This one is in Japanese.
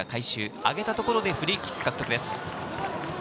上げたところでフリーキック獲得です。